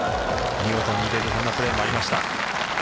見事に入れる、こんなプレーもありました。